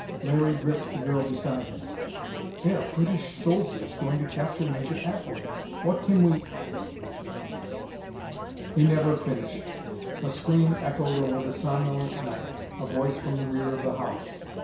Larry gripped the girl beside him. "They are British soldiers going to capture Major Atwood! What can we "He never finished. A scream echoed over the somnolent night a voice from the rear of the house.